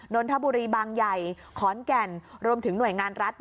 นนทบุรีบางใหญ่ขอนแก่นรวมถึงหน่วยงานรัฐ